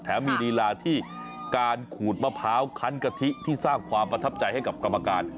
มีลีลาที่การขูดมะพร้าวคันกะทิที่สร้างความประทับใจให้กับกรรมการ